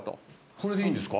これでいいんですか？